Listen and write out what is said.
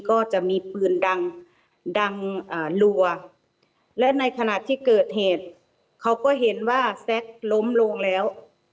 ก็จะมีปืนดังดังรัวและในขณะที่เกิดเหตุเขาก็เห็นว่าแซ็กล้มลงแล้ว